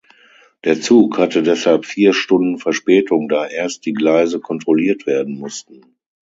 Der Zug hatte deshalb vier Stunden Verspätung, da erst die Gleise kontrolliert werden mussten.